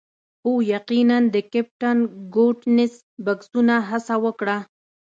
هو یقیناً د کیپټن ګوډنس بکسونه هڅه وکړه